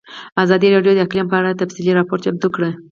ازادي راډیو د اقلیم په اړه تفصیلي راپور چمتو کړی.